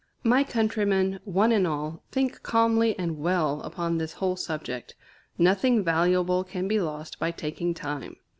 My countrymen, one and all, think calmly and well upon this whole subject. Nothing valuable can be lost by taking time.